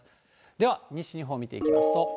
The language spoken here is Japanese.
では、西日本見ていきますと。